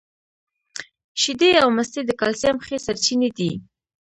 شیدې او مستې د کلسیم ښې سرچینې دي